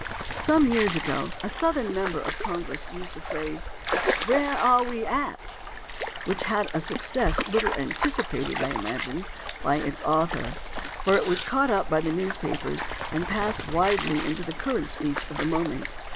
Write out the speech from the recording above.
Some years ago a Southern member of Congress used the phrase, "Where are we at?" which had a suc cess little anticipated, I imagine, by its author, for it was caught up by the newspapers and passed widely into the current speech of the moment.